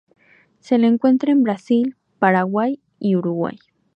Se la encuentra en Brasil, Paraguay y Uruguay.